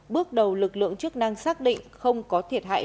bước đầu lực lượng chức năng xác định không có thiệt hại